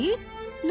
何？